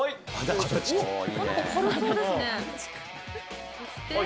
なんか軽そうですね。